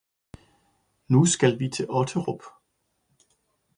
Nu skal vi til Otterup